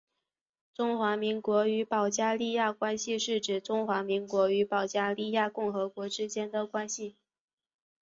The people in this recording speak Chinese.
中华民国与保加利亚关系是指中华民国与保加利亚共和国之间的关系。